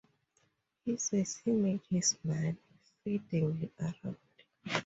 He says he made his money "fiddling around".